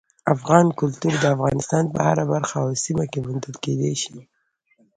افغاني کلتور د افغانستان په هره برخه او سیمه کې موندل کېدی شي.